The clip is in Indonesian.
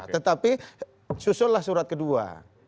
tetapi susulah surat kedua